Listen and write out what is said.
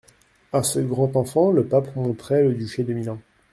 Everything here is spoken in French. À ce grand enfant, le pape montrait le duché de Milan.